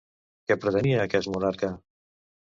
Què pretenia aquest monarca?